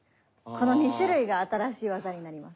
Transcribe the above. この２種類が新しい技になります。